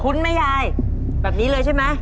ไหมยายแบบนี้เลยใช่ไหม